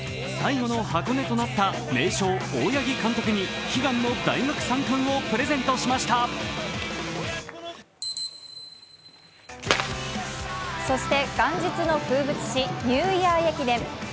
最後の箱根となった名将・大八木監督に悲願の大学三冠をそして元日の風物詩ニューイヤー駅伝。